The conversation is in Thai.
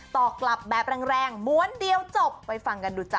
ตอบกลับแบบแรงม้วนเดียวจบไปฟังกันดูจ้